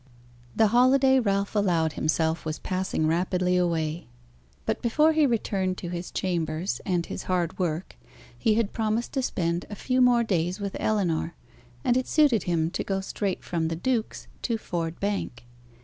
The holiday Ralph allowed himself was passing rapidly away; but, before he returned to his chambers and his hard work, he had promised to spend a few more days with Ellinor; and it suited him to go straight from the duke's to Ford Bank.